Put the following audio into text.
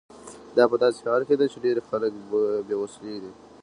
دا په داسې حال کې ده چې ډیری خلک بې وسیلې دي.